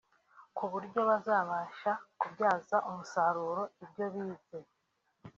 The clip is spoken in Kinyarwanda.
ku buryo bazabasha kubyaza umusaruro ibyo bize